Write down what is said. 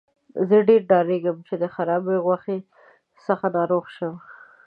زه ډیر ډاریږم چې د خرابې غوښې څخه ناروغه شم.